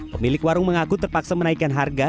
pemilik warung mengaku terpaksa menaikkan harga